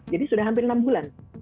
jadi sudah hampir enam bulan